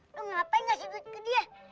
eh lu ngapain gak sibuk ke dia